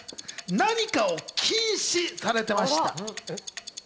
何かを禁止されていました。